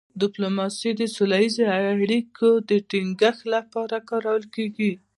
ډيپلوماسي د سوله ییزو اړیکو د ټینګښت لپاره کارول کېږي.